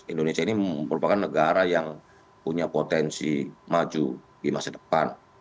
indonesia ini merupakan negara yang punya potensi maju di masa depan